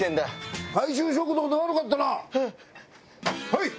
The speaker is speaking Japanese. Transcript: はい！